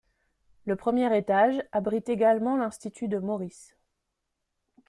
Le premier étage abrite également l'Institut de Maurice.